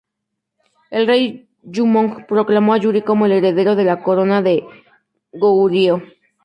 El rey Jumong proclamó a Yuri como el heredero de la corona de Goguryeo.